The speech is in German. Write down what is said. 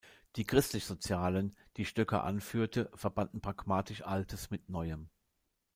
Die Christlich-Sozialen, die Stoecker anführte, verbanden programmatisch Altes mit Neuem.